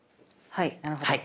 はい。